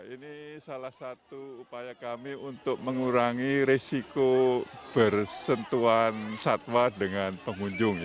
ini salah satu upaya kami untuk mengurangi risiko bersentuhan satwa dengan pengunjung